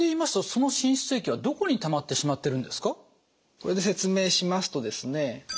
これで説明しますとですね